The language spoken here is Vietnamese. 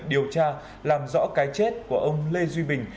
điều tra làm rõ cái chết của ông lê duy bình